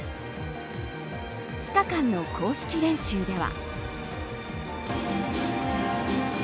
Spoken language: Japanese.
２日間の公式練習では。